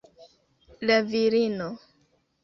La virino.